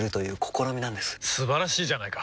素晴らしいじゃないか！